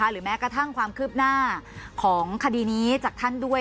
หรือแม้กระทั่งความคืบหน้าของคดีนี้จากท่านด้วย